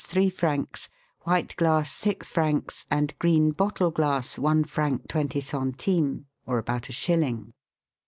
ee francs; white glass, six francs ; and green bottle glass, one franc twenty centimes, or about a shilling.